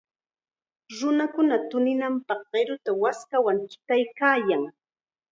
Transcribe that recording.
Nunakuna tuninanpaq qiruta waskawan chutaykaayan.